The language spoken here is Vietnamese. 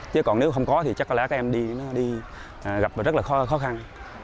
chứ còn nếu không có thì chắc là các em đi gặp rất là khó khăn